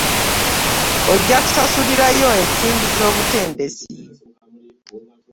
Ojja kusasulayo ensimbi ez'obuteresi.